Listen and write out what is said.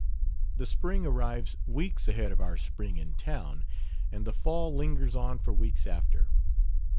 "The spring arrives weeks ahead of our spring in town, and the fall lingers on for weeks after.